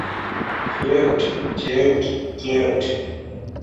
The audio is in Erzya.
Тевть, тевть, тевть.